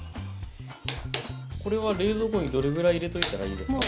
これは冷蔵庫にどれぐらい入れといたらいいですか？